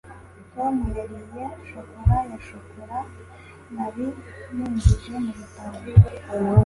tom yariye shokora ya shokora nari ninjije mu bitaro